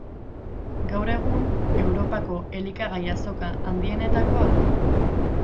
Gaur egun Europako elikagai azoka handienetakoa da.